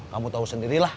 kamu tau sendirilah